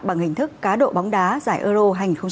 bằng hình thức cá độ bóng đá giải euro hai nghìn hai mươi